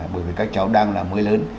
bởi vì các cháu đang là mới lớn